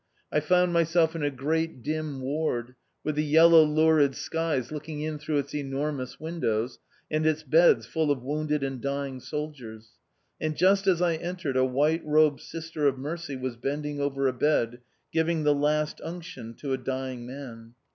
I found myself in a great, dim ward, with the yellow, lurid skies looking in through its enormous windows, and its beds full of wounded and dying soldiers; and just as I entered, a white robed Sister of Mercy was bending over a bed, giving the last unction to a dying man.